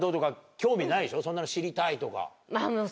そんなの知りたいとか。